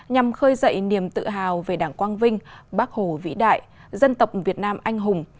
nhằm khơi dậy niềm tự hào về đảng quang vinh bác hồ vĩ đại dân tộc việt nam anh hùng